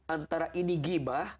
antara ini gibah